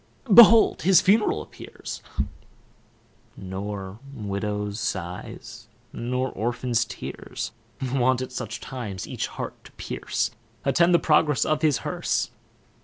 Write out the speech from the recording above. Behold his funeral appears, Nor widow's sighs, nor orphan's tears, Wont at such times each heart to pierce, Attend the progress of his hearse.